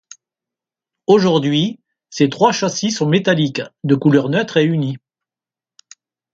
Aujourd'hui, ces trois châssis sont métalliques, de couleur neutre et unie.